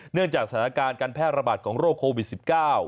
เนื่องจากสถานการณ์การแพร่ระบาดของโรคโควิด๑๙